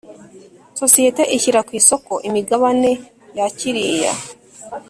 sosiyete ishyira ku isoko imigabane yakiriye